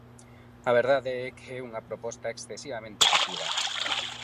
A verdade é que é unha proposta excesivamente cativa.